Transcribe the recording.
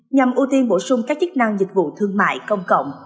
nhằm ưu tiên bổ sung các chức năng dịch vụ thương mại công cộng